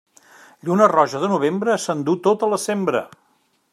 Lluna roja de novembre s'enduu tota la sembra.